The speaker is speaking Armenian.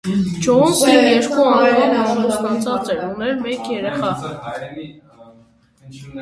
Ջոնսը երկու անգամ ամուսնացած էր և ուներ մեկ երեխա։